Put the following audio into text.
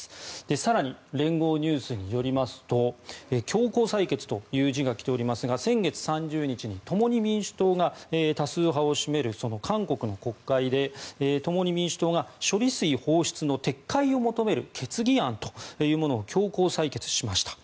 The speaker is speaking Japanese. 更に、連合ニュースによりますと強行採決という字が来ていますが先月３０日に共に民主党が多数派を占める韓国の国会で、共に民主党が処理水放出の撤回を求める決議案というものを強行採決しました。